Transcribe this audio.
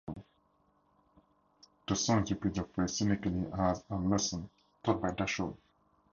The song repeats the phrase cynically as a "lesson" taught by Dachau.